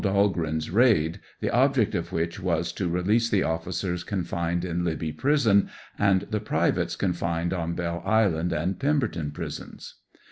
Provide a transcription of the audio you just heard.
Dahlgreen's raid, the object of which was to re lease the officers confined in Libby prison and the privates confined on Belle Island and Pemberton prisons.